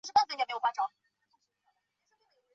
其仅存在于哥斯达黎加卡塔戈省的模式产地。